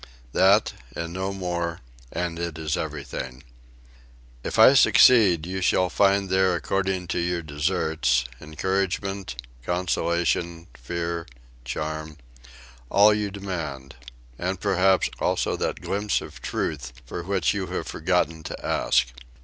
That and no more, and it is everything. If I succeed, you shall find there according to your deserts: encouragement, consolation, fear, charm all you demand and, perhaps, also that glimpse of truth for which you have forgotten to ask.